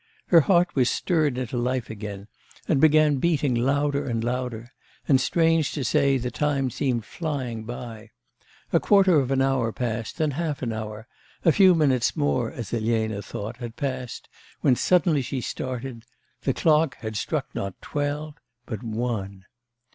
Her heart was stirred into life again, and began beating louder and louder, and strange, to say, the time seemed flying by. A quarter of an hour passed, then half an hour; a few minutes more, as Elena thought, had passed, when suddenly she started; the clock had struck not twelve, but one.